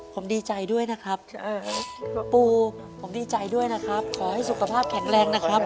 ผมดีใจด้วยนะครับปูผมดีใจด้วยนะครับขอให้สุขภาพแข็งแรงนะครับ